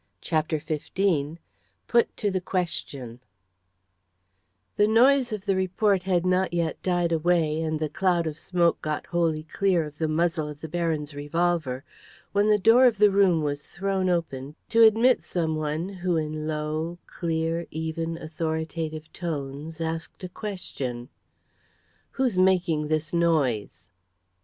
CHAPTER XV PUT TO THE QUESTION The noise of the report had not yet died away, and the cloud of smoke got wholly clear of the muzzle of the Baron's revolver, when the door of the room was thrown open to admit some one, who in low, clear, even, authoritative tones, asked a question "Who's making this noise?"